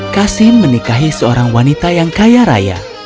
kasim menikahi seorang wanita yang kaya raya